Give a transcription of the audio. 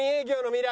未来